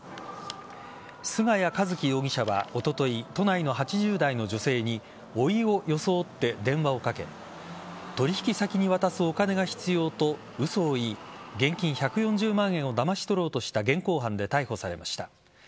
菅谷和輝容疑者はおととい都内の８０代の女性においを装って電話をかけ取引先に渡すお金が必要と嘘を言い現金１４０万円をだまし取ろうとした現行犯で逮捕されました。